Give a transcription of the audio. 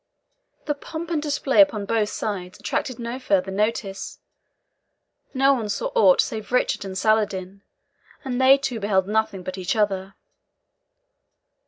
The pomp and display upon both sides attracted no further notice no one saw aught save Richard and Saladin, and they too beheld nothing but each other.